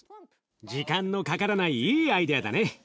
時間のかからないいいアイデアだね。